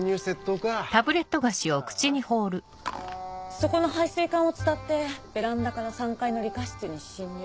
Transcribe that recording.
そこの配水管を伝ってベランダから３階の理科室に侵入。